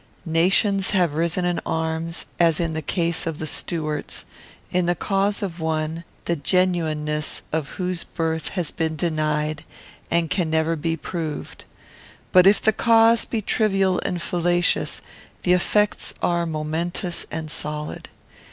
Nations have risen in arms, as in the case of the Stuarts, in the cause of one the genuineness of whose birth has been denied and can never be proved. But if the cause be trivial and fallacious, the effects are momentous and solid.